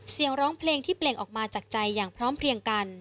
เสียงร้องเพลงที่เปล่งออกมาจากใจอย่างพร้อมเพลียงกัน